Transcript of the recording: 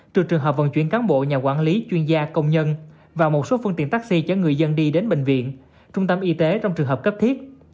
trừ trường hợp vận chuyển cán bộ nhà quản lý chuyên gia công nhân và một số phương tiện taxi chở người dân đi đến bệnh viện trung tâm y tế trong trường hợp cấp thiết